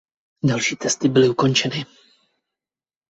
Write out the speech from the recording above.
Další testy byly ukončeny.